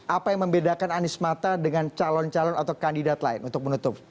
apa yang membedakan anies mata dengan calon calon atau kandidat lain untuk menutup